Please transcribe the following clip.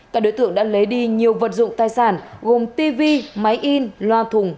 cả đối tượng đã lấy đi nhiều vật dụng tài sản gồm tv máy in loa thùng máy giặt có tổng giá trị khoảng bốn mươi triệu đồng